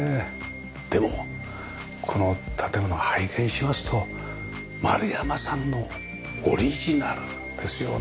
でもこの建物を拝見しますと丸山さんのオリジナルですよね。